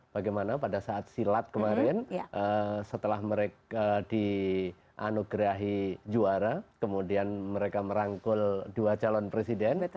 bagaimana pada saat silat kemarin setelah mereka dianugerahi juara kemudian mereka merangkul dua calon presiden